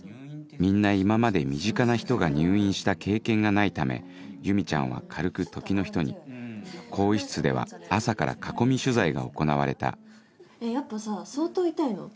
みんな今まで身近な人が入院した経験がないため由美ちゃんは軽く時の人に更衣室では朝から囲み取材が行われたやっぱさ相当痛いの？